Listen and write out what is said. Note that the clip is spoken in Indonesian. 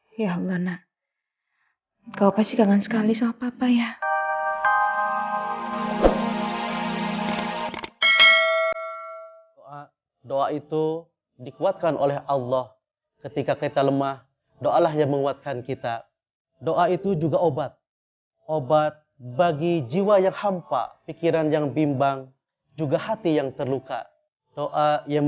jangan lupa like share dan subscribe channel ini untuk dapat info terbaru dari kami